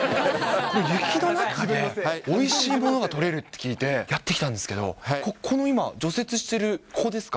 雪の中でおいしいものが取れるって聞いてやって来たんですけど、ここの今、除雪している、ここですか？